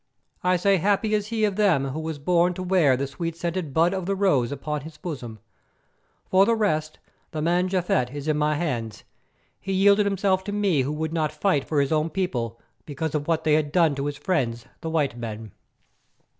I say happy is he of them who was born to wear the sweet scented Bud of the Rose upon his bosom. For the rest, the man Japhet is in my hands. He yielded himself to me who would not fight for his own people because of what they had done to his friends, the white men.